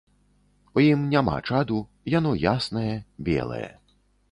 У ім няма чаду, яно яснае, белае.